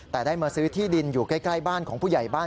แต่ได้มาซื้อที่ดินอยู่ใกล้บ้านของผู้ใหญ่บ้าน